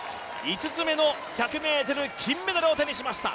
５つ目の１００ｍ金メダルを手にしました。